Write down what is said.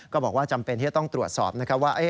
บอกว่าจำเป็นที่จะต้องตรวจสอบนะครับว่า